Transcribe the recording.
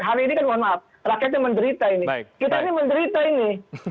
hari ini kan mohon maaf rakyatnya menderita ini